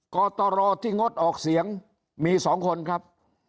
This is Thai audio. กตรที่งดออกเสียงมี๒คนครับ